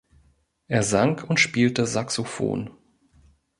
Er sang und spielte Saxophon.